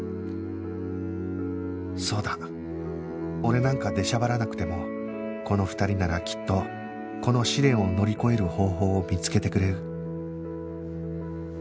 そうだ俺なんか出しゃばらなくてもこの２人ならきっとこの試練を乗り越える方法を見つけてくれる